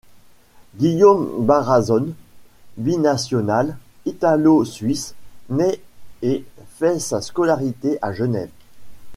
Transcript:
Guillaume Barazzone, binational italo-suisse, naît et fait sa scolarité à Genève.